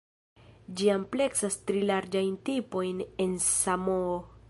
Ĝi ampleksas tri larĝajn tipojn en Samoo.